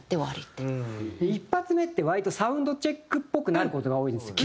１発目って割とサウンドチェックっぽくなる事が多いんですよ。